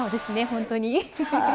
本当に。